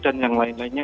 dan yang lain lainnya